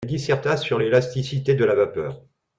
Elle disserta sur l'élasticité de la vapeur.